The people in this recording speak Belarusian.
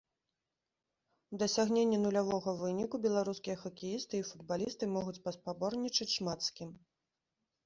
У дасягненні нулявога выніку беларускія хакеісты і футбалісты могуць паспаборнічаць шмат з кім.